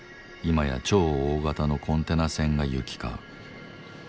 今や超大型のコンテナ船が行き交う。